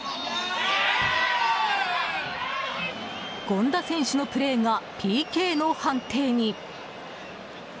権田選手のプレーがＰＫの判定に。